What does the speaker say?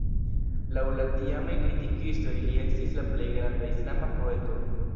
Laŭ la tiamaj kritikistoj li estis la plej granda islama poeto.